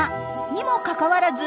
にもかかわらず